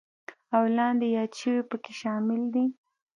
او لاندې یاد شوي پکې شامل دي: